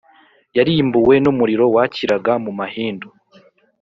yarimbuwe n’umuriro wakiraga mu mahindu,